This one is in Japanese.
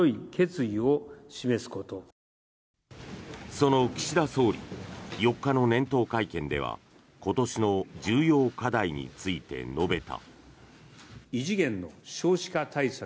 その岸田総理４日の年頭会見では今年の重要課題について述べた。